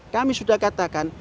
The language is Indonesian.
kami sudah katakan